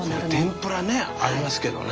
天ぷらねありますけどね。